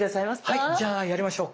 はいじゃあやりましょう。